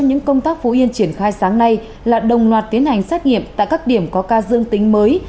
những công tác phú yên triển khai sáng nay là đồng loạt tiến hành xét nghiệm tại các điểm có ca dương tính mới